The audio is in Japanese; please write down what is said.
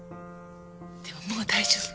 でももう大丈夫。